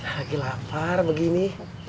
lagi lapar begini